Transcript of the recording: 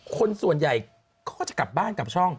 คนส่วนใหญ่เขาก็จะกลับบ้านกลับช่อง